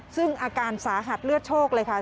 ซึ่งอาการสาหัสเลือดโชคเลยค่ะ